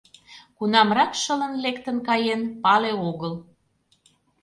Кунамрак шылын лектын каен — пале огыл.